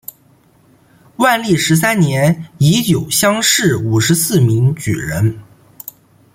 万历十三年乙酉乡试五十四名举人。